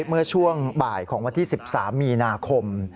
เมื่อช่วงบ่ายของวันที่๑๓มีนาคม